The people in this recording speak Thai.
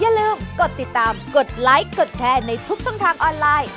อย่าลืมกดติดตามกดไลค์กดแชร์ในทุกช่องทางออนไลน์